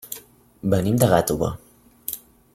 Venim de Gàtova.